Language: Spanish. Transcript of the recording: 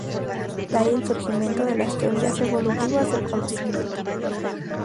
De ahí el surgimiento de las teorías evolutivas del conocimiento.